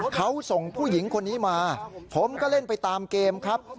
เขาส่งผู้หญิงคนนี้มาผมก็เล่นไปตามเกมครับ